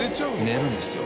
寝るんですよ。